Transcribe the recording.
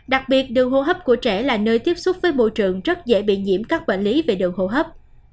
đặc biệt đường hô hấp của trẻ là nơi tiếp xúc với môi trường rất dễ bị nhiễm các bệnh lý về đường hô hấp